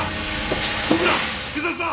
警察だ！